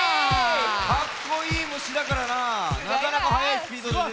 かっこいい虫だからななかなかはやいスピードででてきた。